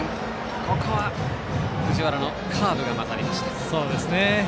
ここは藤原のカーブが勝りました。